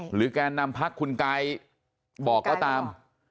แกนนำพักคุณกายบอกก็ตาม